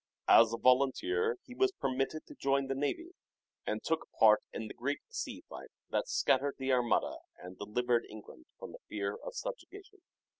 As a volunteer he was permitted to join the navy, and took part in the great sea fight that scattered the Armada and delivered England from the fear of subjugation.